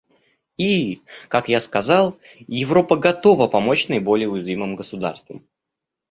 И, как я сказал, Европа готова помочь наиболее уязвимым государствам.